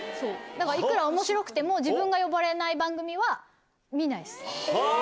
だからいくらおもしろくても、自分が呼ばれない番組は、見ないです。